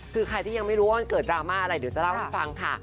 คือใครที่ยังไม่รู้ว่ามันเกิดดราม่าอะไรเดี๋ยวจะเล่าให้ฟังค่ะ